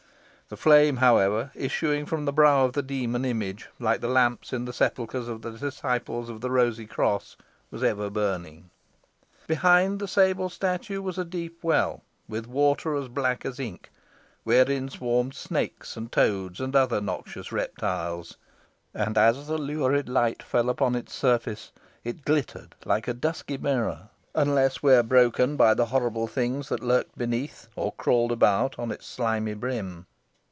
The flame, however, issuing from the brow of the demon image, like the lamps in the sepulchres of the disciples of the Rosy Cross, was ever burning. Behind the sable statue was a deep well, with water as black as ink, wherein swarmed snakes, and toads, and other noxious reptiles; and as the lurid light fell upon its surface it glittered like a dusky mirror, unless when broken by the horrible things that lurked beneath, or crawled about upon its slimy brim.